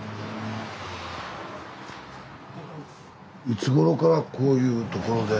いつごろからこういう所で？